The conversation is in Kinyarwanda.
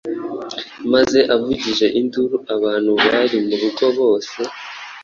maze avugije induru, abantu bari mu rugo bose